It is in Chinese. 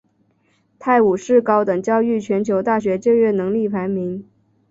泰晤士高等教育全球大学就业能力排名。